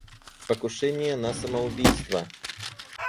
Покушение на самоубийство.